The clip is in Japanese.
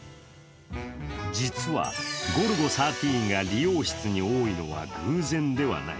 実は「ゴルゴ１３」が理容室に多いのは、偶然ではない。